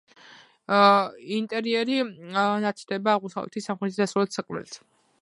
ინტერიერი ნათდება აღმოსავლეთის, სამხრეთის და დასავლეთის სარკმლებით.